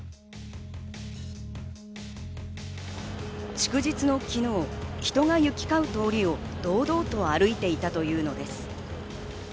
祝日の昨日、人が行きかう通りを堂々と歩いていたというのです。